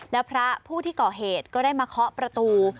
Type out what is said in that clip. แล้วพระผู้ที่ก่อเหตุก็ได้มาเคาะประตู